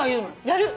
やる！